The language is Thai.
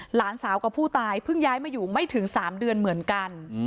หลานสาวกับผู้ตายเพิ่งย้ายมาอยู่ไม่ถึง๓เดือนเหมือนกัน